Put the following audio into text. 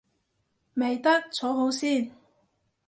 未得，坐好先